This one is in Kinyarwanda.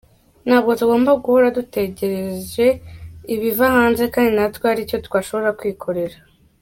Ntabwo tugomba guhora dutegereje ibiva hanze kandi natwe hari icyo twashobora kwikorera".